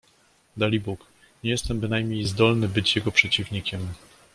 "Dalibóg, nie jestem bynajmniej zdolny być jego przeciwnikiem."